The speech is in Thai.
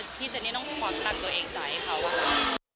ที่เจนนี่ต้องความดันตัวเองจ่ายให้เขาอะค่ะ